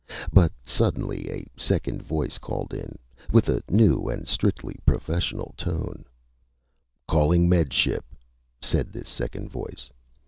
But suddenly a second voice called in, with a new and strictly professional tone: "Calling Med Ship!" said this second voice.